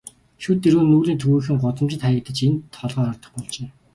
Шүд эрүү нүүрний төвийнхөн гудамжинд хаягдаж, энд толгой хоргодох болжээ.